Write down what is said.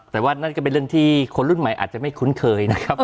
แต่ว่านั่นก็เป็นเรื่องที่คนรุ่นใหม่อาจจะไม่คุ้นเคยนะครับ